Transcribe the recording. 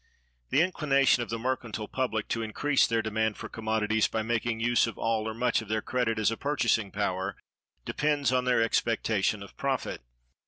The inclination of the mercantile public to increase their demand for commodities by making use of all or much of their credit as a purchasing power depends on their expectation of profit.